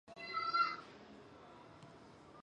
这次中弹并未造成显着损伤。